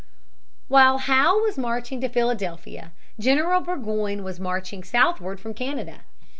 While Howe was marching to Philadelphia, General Burgoyne was marching southward from Canada.